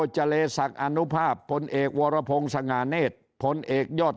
จเลสักอานุภาพพลเอกวรพงสังาเนตพลเอกยอด